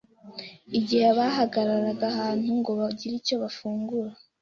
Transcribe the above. igihe bahagararaga ahantu ngo bagire icyo bafungura